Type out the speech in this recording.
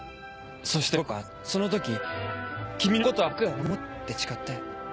そして僕はそのとき「君のことは僕が護る」って誓って。